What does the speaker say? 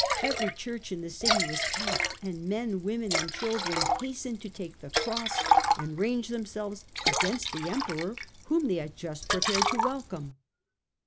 Every Church in the city was packed, and men, women, and children hastened to take the Cross and range them selves against the Emperor whom they had just prepared to welcome.